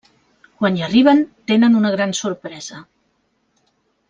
Quan hi arriben, tenen una gran sorpresa.